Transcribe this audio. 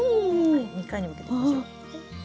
２回に分けていきましょう。